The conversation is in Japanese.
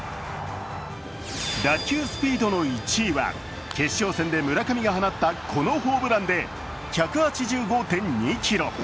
打球スピードの１位は決勝戦で村上が放ったこのホームランで１８５．２キロ。